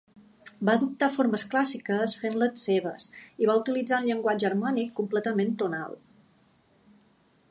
Va adoptar formes clàssiques fent-les seves, i va utilitzar un llenguatge harmònic completament tonal.